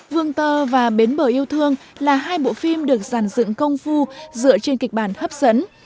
vương tơ và bến bờ yêu thương là hai bộ phim được giàn dựng công phu dựa trên kịch bản hấp dẫn